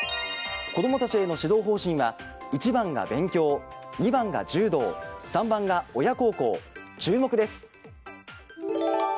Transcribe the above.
子供たちへの指導方針は１番が勉強、２番が柔道３番が親孝行、注目です。